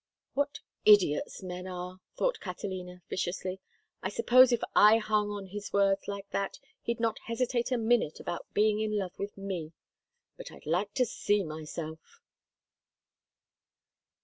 "What idiots men are!" thought Catalina, viciously. "I suppose if I hung on his words like that he'd not hesitate a minute about being in love with me. But I'd like to see myself!"